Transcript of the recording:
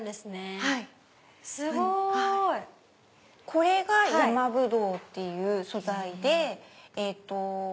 これがヤマブドウっていう素材で。